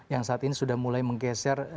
yang saat ini sudah mulai menggeser